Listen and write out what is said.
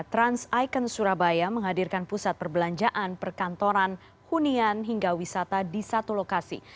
trans icon surabaya menghadirkan pusat perbelanjaan perkantoran hunian hingga wisata di satu lokasi